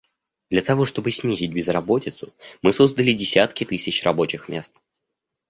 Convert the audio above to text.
Для того чтобы снизить безработицу, мы создали десятки тысяч рабочих мест.